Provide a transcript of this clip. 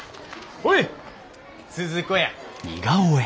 ほい鈴子や。